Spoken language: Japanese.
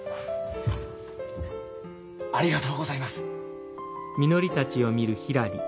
ありがとうございます。